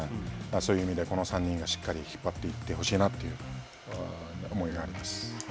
そういう意味で、この３人がしっかり引っ張っていってほしいなという思いがあります。